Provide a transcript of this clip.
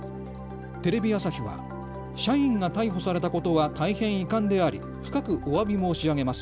テレビ朝日は社員が逮捕されたことは大変遺憾であり、深くおわび申し上げます。